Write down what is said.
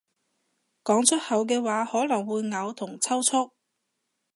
講出口嘅話可能會嘔同抽搐